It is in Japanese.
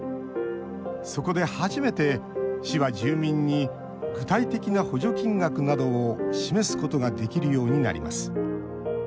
そこで初めて、市は住民に具体的な補助金額などを示すことができるようになります。